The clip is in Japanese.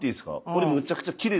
俺。